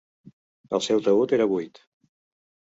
El seu taüt era buit.